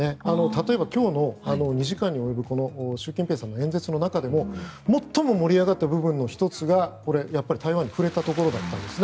例えば、今日の２時間に及ぶ習近平さんの演説の中でも最も盛り上がった部分の１つがやっぱり台湾に触れたところだったんです。